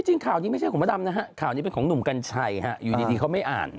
จริงข่าวนี้ไม่ใช่ของมดดำนะฮะข่าวนี้เป็นของหนุ่มกัญชัยฮะอยู่ดีเขาไม่อ่าน